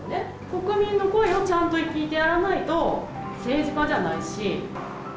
国民の声をちゃんと聞いてやらないと、政治家じゃないし。